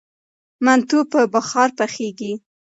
منتو په بخار پخیږي.